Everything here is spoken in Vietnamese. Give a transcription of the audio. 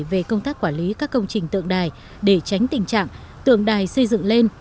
về công tác quản lý các công trình tượng đài để tránh tình trạng tượng đài xây dựng lên